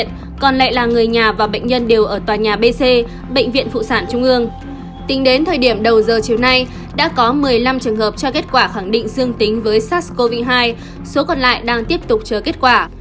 tính đến thời điểm đầu giờ chiều nay đã có một mươi năm trường hợp cho kết quả khẳng định dương tính với sars cov hai số còn lại đang tiếp tục chờ kết quả